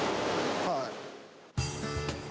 はい。